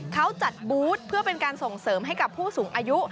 เขาจัดบูธเพื่อเป็นการส่งเสริมให้กับผู้สูงอายุ